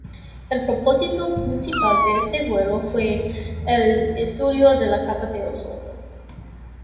El propósito principal de este vuelo fue el estudio de la capa de ozono.